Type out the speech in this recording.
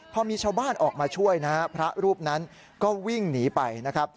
พอมีชาวบ้านออกมาช่วยนะฮะพระรูปนั้นก็วิ่งหนีไปนะครับ